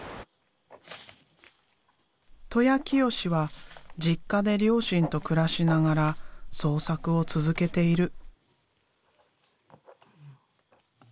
戸舎清志は実家で両親と暮らしながら創作を続けている。